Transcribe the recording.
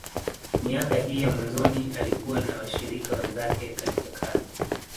Miaka hii ya mwanzoni, alikuwa na washirika wenzake katika kazi.